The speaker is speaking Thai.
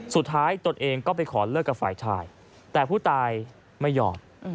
ตนเองก็ไปขอเลิกกับฝ่ายชายแต่ผู้ตายไม่ยอม